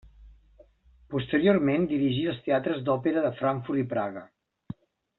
Posteriorment dirigí els teatres d'òpera de Frankfurt i Praga.